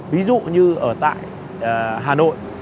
ví dụ như ở tại hà nội